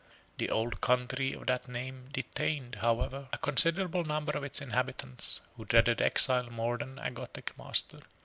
The old country of that name detained, however, a considerable number of its inhabitants, who dreaded exile more than a Gothic master.